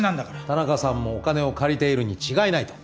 田中さんもお金を借りているに違いないと？